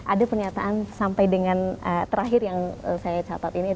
ada pernyataan sampai dengan terakhir yang saya catat ini